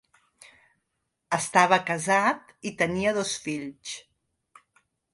Estava casat i tenia dos fills.